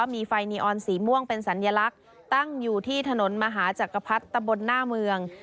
มีไฟนีออนสีม่วงเป็นสัญลักษณ์ตั้งอยู่ที่ถนนมหาจักรพรรดิตะบนหน้าเมือง